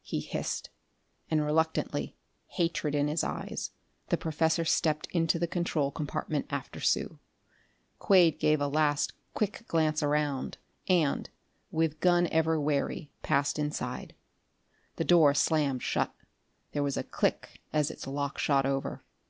he hissed, and reluctantly, hatred in his eyes, the professor stepped into the control compartment after Sue. Quade gave a last quick glance around and, with gun ever wary, passed inside. The door slammed shut: there was a click as its lock shot over.